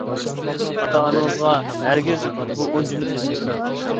ئاتا-ئانىڭىزغا ھەرگىز بۇ ئون جۈملە سۆزنى دېمەڭ!